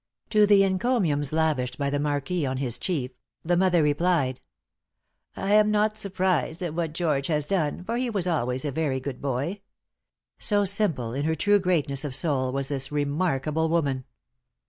'" To the encomiums lavished by the marquis on his chief, the mother replied: "Iam not surprised at what George has done, for he was always a very good boy." So simple in her true greatness of soul, was this remarkable woman.